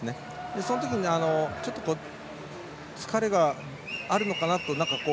そのときに疲れがあるのかなと。